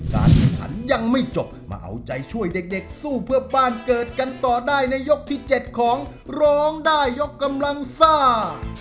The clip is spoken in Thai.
การแข่งขันยังไม่จบมาเอาใจช่วยเด็กสู้เพื่อบ้านเกิดกันต่อได้ในยกที่๗ของร้องได้ยกกำลังซ่า